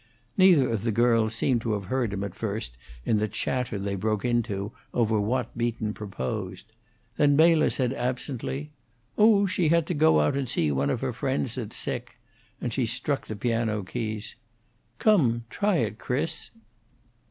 Neither of the girls seemed to have heard him at first in the chatter they broke into over what Beaton proposed. Then Mela said, absently, "Oh, she had to go out to see one of her friends that's sick," and she struck the piano keys. "Come; try it, Chris!"